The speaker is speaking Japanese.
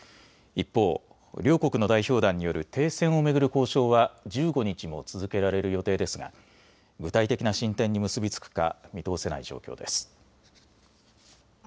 一方、両国の代表団による停戦を巡る交渉は１５日も続けられる予定ですが具体的な進展に結び付くか見通せない状況です。